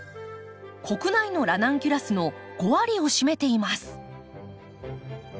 国内のラナンキュラスの５割を占めています。